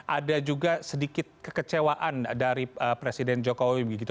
ada juga sedikit kekecewaan dari presiden jokowi begitu